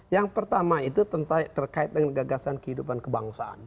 yang pertama itu terkait dengan gagasan kehidupan kebangsaan